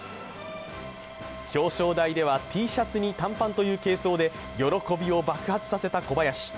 表彰台ではＴシャツに短パンという軽装で喜びを爆発させた小林。